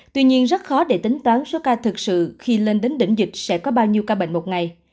tuy nhiên rất khó để tính toán số ca thực sự khi lên đến đỉnh dịch sẽ có bao nhiêu ca bệnh một ngày